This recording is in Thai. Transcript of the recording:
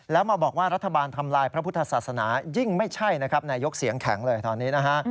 แล้วมาบอกว่ารัฐบาลทำลายพระพุทธศาสนายิ่งไม่ใช่นะครับนายกเสียงแข็งเลยตอนนี้นะฮะ